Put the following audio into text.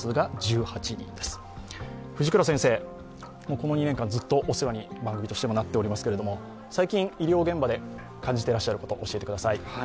この２年間ずっとお世話になっていますけれども、最近、医療現場で感じていらっしゃることを教えてください。